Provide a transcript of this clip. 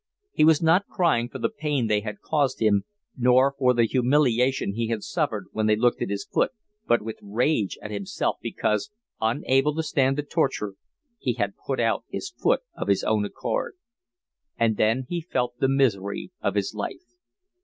He was not crying for the pain they had caused him, nor for the humiliation he had suffered when they looked at his foot, but with rage at himself because, unable to stand the torture, he had put out his foot of his own accord. And then he felt the misery of his life.